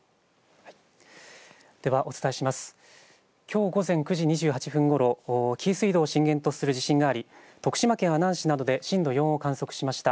きょう午前９時２８分ごろ、紀伊水道を震源とする地震があり徳島県阿南市などで震度４を観測しました。